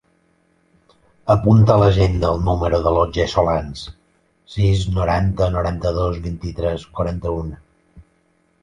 Apunta a l'agenda el número de l'Otger Solans: sis, noranta, noranta-dos, vint-i-tres, quaranta-u.